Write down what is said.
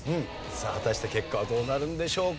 さあ果たして結果はどうなるんでしょうか？